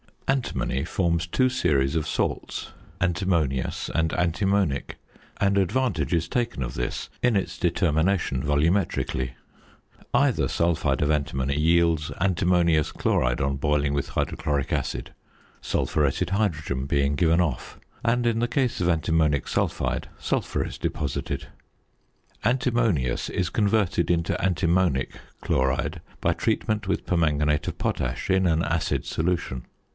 Antimony forms two series of salts, antimonious and antimonic; and advantage is taken of this in its determination volumetrically. Either sulphide of antimony yields antimonious chloride on boiling with hydrochloric acid, sulphuretted hydrogen being given off; and, in the case of antimonic sulphide, sulphur is deposited. Antimonious is converted into antimonic chloride by treatment with permanganate of potash in an acid solution.